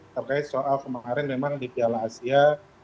terkait soal kemarin memang di piala asia